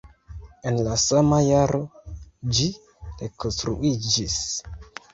En la sama jaro ĝi rekonstruiĝis.